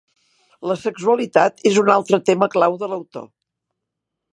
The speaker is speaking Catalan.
La sexualitat és un altre tema clau de l'autor.